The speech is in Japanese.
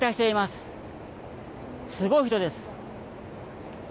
すごい人です。